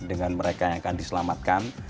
dengan mereka yang akan diselamatkan